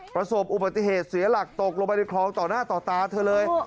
ประสบอุบัติเหตุเสียหลักตกลงไปในคลองต่อหน้าต่อตาเธอเลย